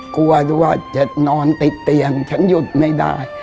กลัวว่าจะนอนติดเตียงฉันหยุดไม่ได้